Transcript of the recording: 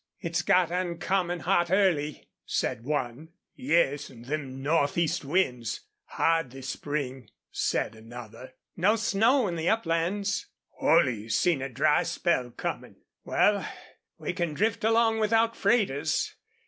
"It's got oncommon hot early," said one. "Yes, an' them northeast winds hard this spring," said another. "No snow on the uplands." "Holley seen a dry spell comin'. Wal, we can drift along without freighters.